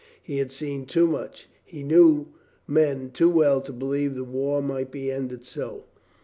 He had seen too much, he knew men too well, to believe the war might be ended so.